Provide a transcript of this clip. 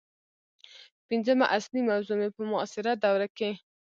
پنځمه اصلي موضوع مې په معاصره دوره کې